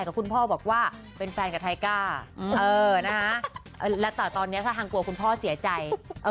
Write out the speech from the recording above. แต่คุณพ่อบอกว่าเป็นแฟนกับไทก้าและแต่ตอนนี้ถ้าทางกลัวคุณพ่อเสียใจ